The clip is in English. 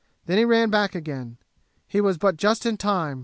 Then he ran back again. He was but just in time.